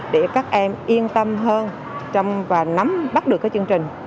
để các em yên tâm hơn và nắm bắt được cái chương trình